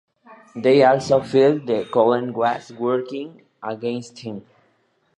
They also felt the Colonel was working against them.